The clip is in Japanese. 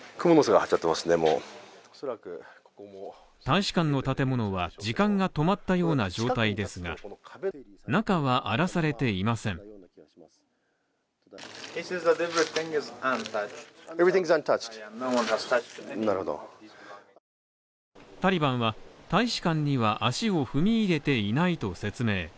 大使館の建物は時間が止まったような状態ですが、中は荒らされていませんタリバンは大使館には足を踏み入れていないと説明。